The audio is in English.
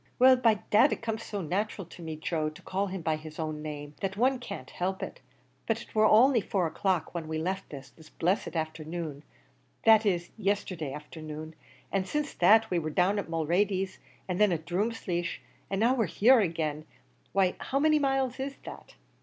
"Well, by dad, it comes so natural to me, Joe, to call him by his own name, that one can't help it; but it war only four o'clock when we left this, this blessed afthernoon that is, yesterday afthernoon an' since that we wor down at Mulready's, an' then at Drumleesh, an' now we're here agin; why how many miles is that?"